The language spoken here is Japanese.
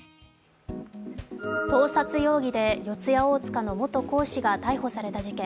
盗撮容疑で四谷大塚の元講師が逮捕された事件。